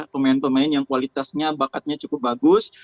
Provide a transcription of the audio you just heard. pemain pemain yang kualitasnya bakatnya cukup bagus